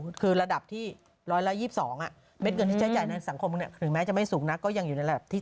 เลยคู่ระดับที่ร้อยละ๒๒อุ่นเวลาไม่แจ่ใจโน้นสังคมหรือใหม่จะไม่สูงนะก็ยังอยู่หน้าวที่